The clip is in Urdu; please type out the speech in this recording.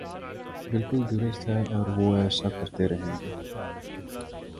بالکل درست ہے اور وہ ایسا کرتے رہیں گے۔